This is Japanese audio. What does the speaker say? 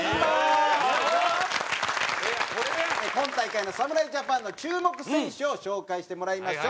今大会の侍ジャパンの注目選手を紹介してもらいましょう。